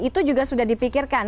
itu juga sudah dipikirkan